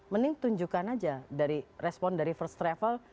mending tunjukkan aja dari respon dari first travel